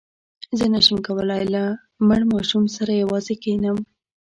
زه نه شم کولای له مړ ماشوم سره یوازې کښېنم.